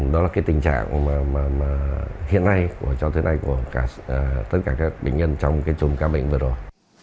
đó là cái tình trạng hiện nay cho tới nay của tất cả các bệnh nhân trong cái chôn ca bệnh vừa rồi